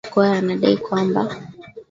Profesa Wajackoya anadai kwamba